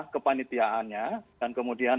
kepanitiaannya dan kemudian